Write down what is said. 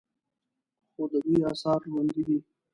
خو د دوی آثار ژوندي دي